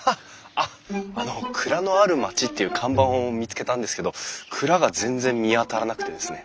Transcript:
あっあの「蔵のある町」っていう看板を見つけたんですけど蔵が全然見当たらなくてですね。